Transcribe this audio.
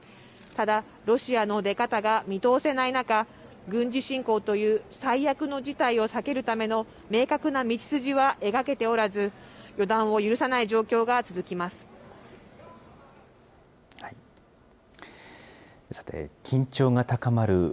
ただ、ロシアの出方が見通せない中、軍事侵攻という最悪の事態を避けるための明確な道筋は描けておらず、予断を許さない状況が続きます。